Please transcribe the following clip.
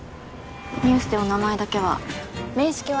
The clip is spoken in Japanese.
ニュースでお名前だけは面識は？